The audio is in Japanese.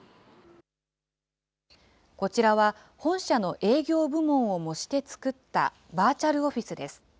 こちらは、本社の営業部門を模して作ったバーチャルオフィスです。